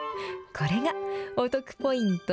これがお得ポイント